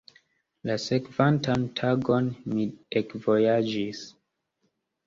La sekvantan tagon mi ekvojaĝis.